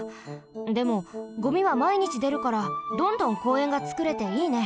でもゴミはまいにちでるからどんどんこうえんがつくれていいね。